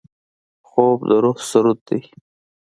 خوب د روح سرود دی